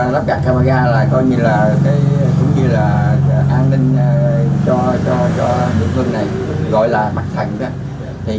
lắp đặt camera là coi như là an ninh cho địa phương này gọi là mặt thành đó